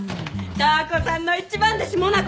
ダー子さんの一番弟子